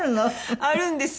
あるんですよ。